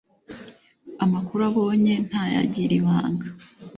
amakuru abonye ntayagire ibanga